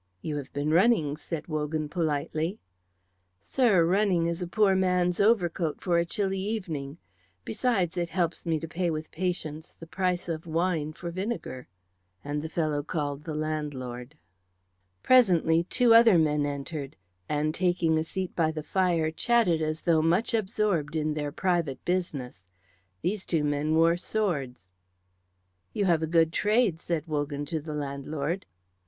"You have been running," said Wogan, politely. "Sir, running is a poor man's overcoat for a chilly evening; besides it helps me to pay with patience the price of wine for vinegar;" and the fellow called the landlord. Presently two other men entered, and taking a seat by the fire chatted together as though much absorbed in their private business. These two men wore swords. "You have a good trade," said Wogan to the landlord.